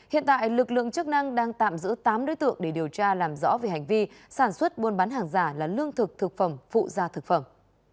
hiện tại lực lượng chức năng đang tạm giữ tám đối tượng để điều tra làm rõ về hành vi sản xuất buôn bán hàng giả là lương thực thực phẩm phụ gia thực phẩm